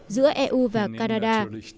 giữa eu và canada